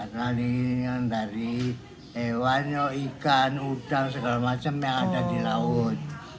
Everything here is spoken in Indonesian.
nah nalinyen dari hewan ikan udang segala macam yang ada di laut